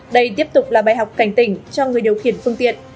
đây tiếp tục là bài học cảnh tỉnh cho người điều khiển phương tiện